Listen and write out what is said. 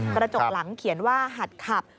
กระจกหลังเขียนว่าหัดขับ